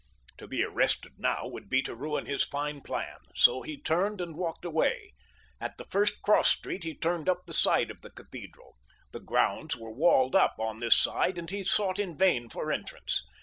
To be arrested now would be to ruin his fine plan, so he turned and walked away. At the first cross street he turned up the side of the cathedral. The grounds were walled up on this side, and he sought in vain for entrance.